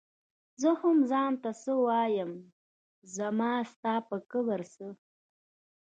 زۀ هم ځان ته څۀ وايم زما ستا پۀ کبر څۀ